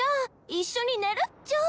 一緒に寝るっちゃ。